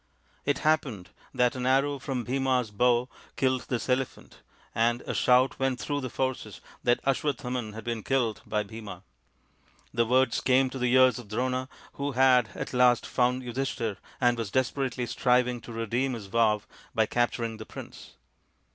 It happened that an arrow from Bhima's bow killed this elephant, and a shout went through the forces that Aswa thaman had been killed by Bhima. The words came to the ears of Drona, who had at last found out Yudhishthir and was desperately striving to redeem his vow by capturing the prince.